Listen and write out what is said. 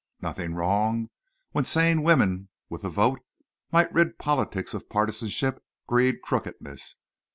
Nothing wrong when sane women with the vote might rid politics of partisanship, greed, crookedness?